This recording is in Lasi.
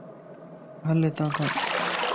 ھل ھتان ڪان